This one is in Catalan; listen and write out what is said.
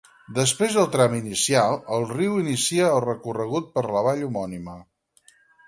Després del tram inicial, el riu inicia el recorregut per la vall homònima.